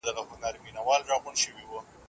د لارښود وخت د شاګرد اړتیا څخه زیات ارزښت لري.